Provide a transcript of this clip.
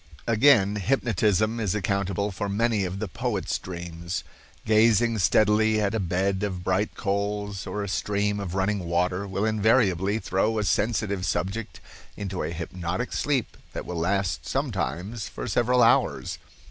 Again, hypnotism is accountable for many of the poet's dreams. Gazing steadily at a bed of bright coals or a stream of running water will invariably throw a sensitive subject into a hypnotic sleep that will last sometimes for several hours.